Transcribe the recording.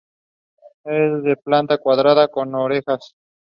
Around one in three women in Ghana are likely to experience domestic violence.